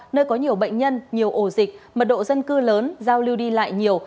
nơi có nhiều bệnh nhân nhiều ổ dịch mật độ dân cư lớn giao lưu đi lại nhiều